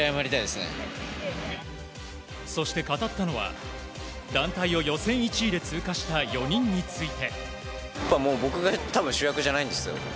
そして、語ったのは団体を予選１位で通過した４人について。